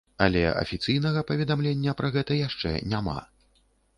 Але афіцыйнага паведамлення пра гэта яшчэ няма.